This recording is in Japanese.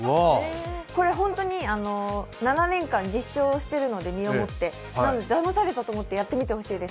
これ、本当に７年間実証しているので、身をもって、なのでだまされたと思ってやってほしいです。